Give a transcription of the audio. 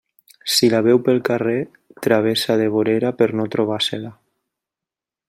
Si la veu pel carrer, travessa de vorera per no trobar-se-la.